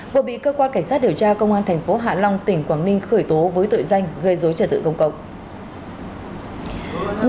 vừa bị cơ quan cảnh sát điều tra công an thành phố hạ long tỉnh quảng ninh khởi tố với tội danh gây dối trật tự công cộng